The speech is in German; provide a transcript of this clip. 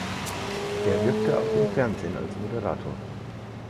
Er wirkte auch im Fernsehen als Moderator.